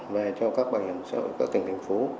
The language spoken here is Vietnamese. về cho các bảo hiểm xã hội các tỉnh thành phố